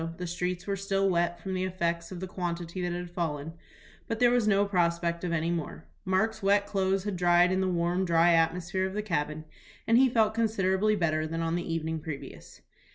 The streets were still wet from the effects of the quantity that had fallen, but there was no prospect of any more. Mark's wet clothes had dried in the warm, dry atmosphere of the cabin, and he felt considerably better than on the evening previous.